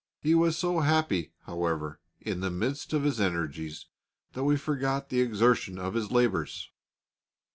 He was so happy, however, in the midst of his energies, that we forgot the exertion of his labours.